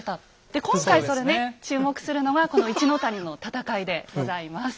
で今回それね注目するのはこの一の谷の戦いでございます。